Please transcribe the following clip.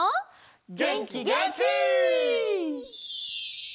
げんきげんき！